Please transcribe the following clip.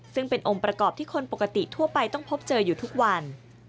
ซึ่งเป็นองค์ประกอบที่คนปกติทั่วไปต้องพบเจออยู่ทุกวัน